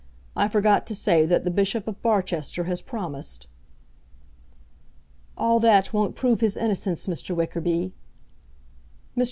I forgot to say that the Bishop of Barchester has promised." "All that won't prove his innocence, Mr. Wickerby." Mr.